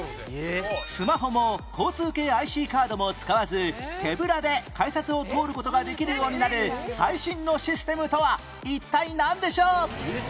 スマホも交通系 ＩＣ カードも使わず手ぶらで改札を通る事ができるようになる最新のシステムとは一体なんでしょう？